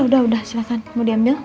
udah udah silahkan mau diambil